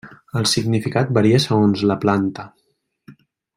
El significat varia segons la planta.